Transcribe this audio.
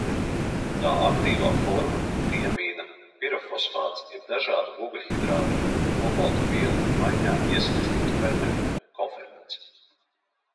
Tā aktīvā forma tiamīna pirofosfāts ir dažādu ogļhidrātu un olbaltumvielu maiņā iesaistītu fermentu koferments.